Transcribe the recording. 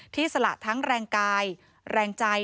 สละทั้งแรงกายแรงใจ